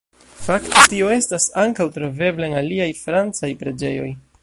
Fakte tio estas ankaŭ trovebla en aliaj francaj preĝejoj.